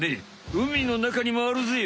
海のなかにもあるぜよ。